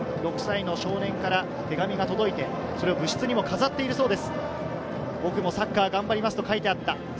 ６歳の少年から手紙が届いて、それを部室でも飾ってるそうです。